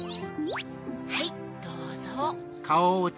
はいどうぞ。